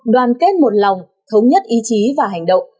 đoàn kết một lòng thống nhất ý chí và hành động